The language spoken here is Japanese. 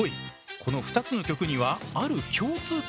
この２つの曲にはある共通点がある。